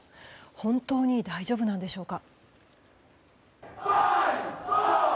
本当に大丈夫なんでしょうか。